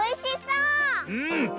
うん！